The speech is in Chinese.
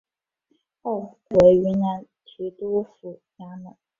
后恢复为云南提督府衙门。